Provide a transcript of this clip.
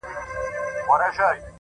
ما خو پخوا مـسـته شــاعـــري كول ـ